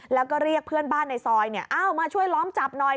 แล้วก็เรียกเพื่อนบ้านในซอยมาช่วยล้อมจับหน่อย